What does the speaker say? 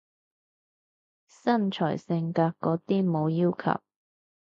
身材性格嗰啲冇要求？